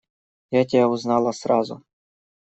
Я тебя узнала сразу.